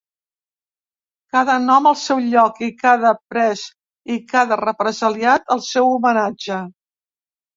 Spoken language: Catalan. Cada nom al seu lloc i cada pres i cada represaliat, el seu homenatge.